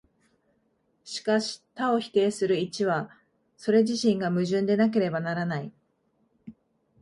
しかし多を否定する一は、それ自身が矛盾でなければならない。